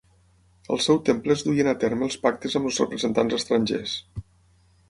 Al seu temple es duien a terme els pactes amb els representants estrangers.